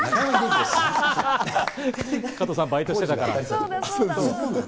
加藤さん、バイトしてたから。